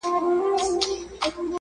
موږ به کله برابر سو له سیالانو.!